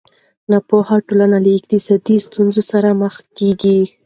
ناپوهه ټولنه له اقتصادي ستونزو سره مخ کېږي.